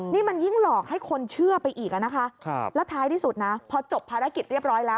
นี่มันยิ่งหลอกให้คนเชื่อไปอีกอ่ะนะคะแล้วท้ายที่สุดนะพอจบภารกิจเรียบร้อยแล้ว